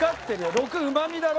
６うま味だろ？